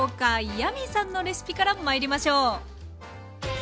ヤミーさんのレシピから参りましょう。